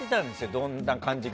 どんな感じか。